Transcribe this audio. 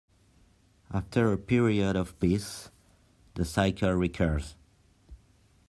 After a period of peace, the cycle recurs.